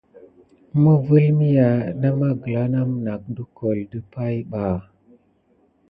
Məvel miha nayakela name nat de kole dipay ɓa.